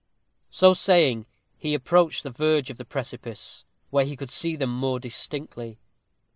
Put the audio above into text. So saying, he approached the verge of the precipice, where he could see them more distinctly.